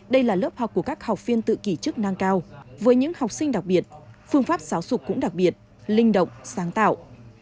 đây là lớp học của các học viên tự kỷ chức năng cao với những học sinh đặc biệt phương pháp giáo dục cũng đặc biệt linh động sáng tạo